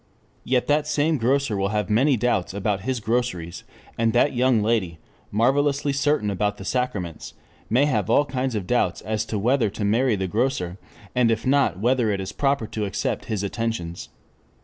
Yet that same grocer will have many doubts about his groceries, and that young lady, marvelously certain about the sacraments, may have all kinds of doubts as to whether to marry the grocer, and if not whether it is proper to accept his attentions.